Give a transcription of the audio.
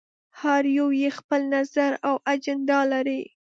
هر يو یې خپل نظر او اجنډا لري.